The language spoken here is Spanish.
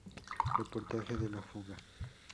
Reportaje de la Fuga.